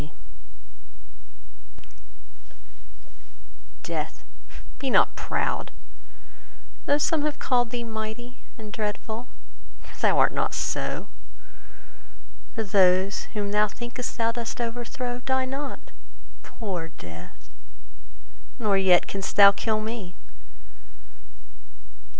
Death DEATH, be not proud, though some have callèd thee Mighty and dreadful, for thou art not so: For those whom thou think'st thou dost overthrow Die not, poor Death; nor yet canst thou kill me.